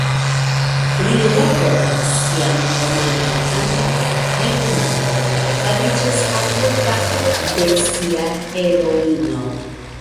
Li rakontas sian romanon antaŭ la tribunalo kaj fariĝas advokato de sia heroino...